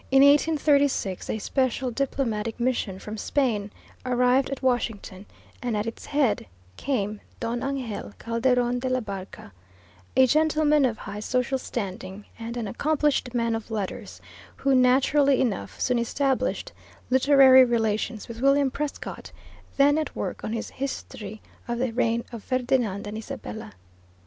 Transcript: In 1836 a Special Diplomatic Mission from Spain arrived at Washington, and at its head came Don Angel Calderon de la Barca, a gentleman of high social standing and an accomplished man of letters, who, naturally enough, soon established literary relations with William Prescott, then at work on his History of the Reign of Ferdinand and Isabella.